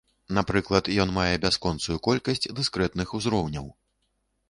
Напрыклад, ён мае бясконцую колькасць дыскрэтных узроўняў.